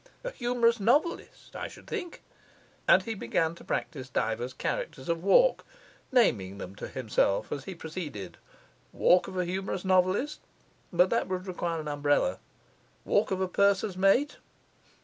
A humorous novelist, I should think,' and he began to practise divers characters of walk, naming them to himself as he proceeded. 'Walk of a humorous novelist but that would require an umbrella. Walk of a purser's mate.